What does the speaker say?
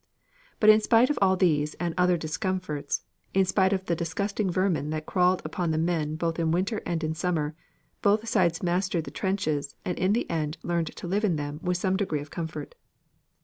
But in spite of all these and other discomforts, in spite of the disgusting vermin that crawled upon the men both in winter and in summer, both sides mastered the trenches and in the end learned to live in them with some degree of comfort.